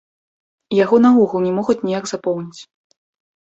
Яго наогул не могуць ніяк запоўніць.